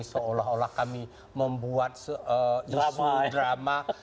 seolah olah kami membuat draft drama